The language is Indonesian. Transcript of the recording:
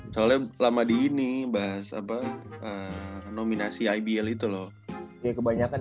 soalnya lama dingin nih bahas nominasi ibl itu loh ya kebanyakan